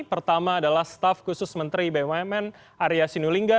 pertama adalah staf khusus menteri bumn arya sinulinga